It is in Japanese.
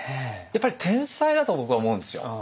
やっぱり天才だと僕は思うんですよ。